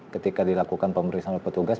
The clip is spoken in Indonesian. ketika dilakukan pemeriksaan oleh petugas